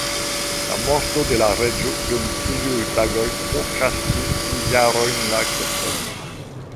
La morto de la reĝo dum tiuj tagoj prokrastis du jarojn la akcepton.